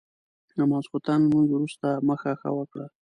د ماسخوتن لمونځ وروسته مخه ښه وکړه.